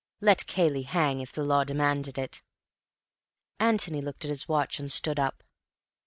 Let Cayley hang, if the Law demanded it. Antony looked at his watch and stood up.